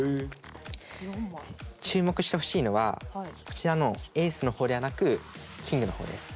注目してほしいのはこちらのエースの方ではなくキングの方です。